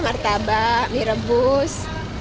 interior tawar makanan merebus